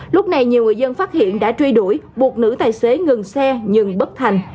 lúc này nhiều người dân phát hiện đã truy đuổi buộc nữ tài xế ngừng xe nhưng bất thành